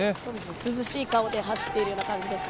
涼しい顔で走っているような感じですね。